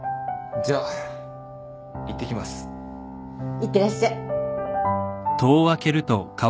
いってらっしゃい。